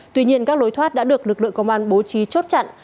tuy nhiên các lối thoát đã được lực lượng công an bố trí chốt chặn